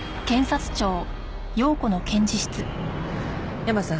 山さん